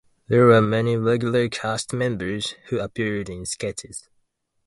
There were many regular cast members who appeared in sketches.